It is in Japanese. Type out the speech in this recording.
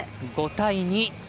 ５対２。